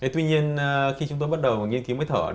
tuy nhiên khi chúng tôi bắt đầu nghiên cứu máy thở